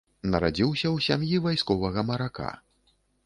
Нарадзіўся ў сям'і вайсковага марака.